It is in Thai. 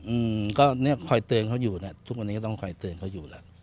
อืมก็เนี้ยคอยเตือนเขาอยู่เนี้ยทุกวันนี้ก็ต้องคอยเตือนเขาอยู่แล้ว